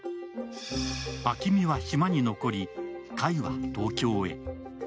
暁海は島に残り、櫂は東京へ。